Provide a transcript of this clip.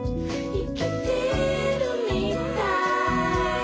「いきてるみたい」